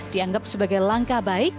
dianggap sebagai langkah baik